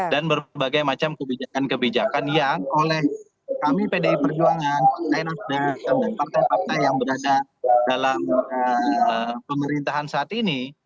dan berbagai macam kebijakan kebijakan yang oleh kami pdi perjuangan partai nasdam dan partai partai yang berada dalam pemerintahan saat ini